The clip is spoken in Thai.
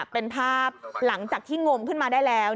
เป็นภาพหลังจากที่งมขึ้นมาได้แล้ว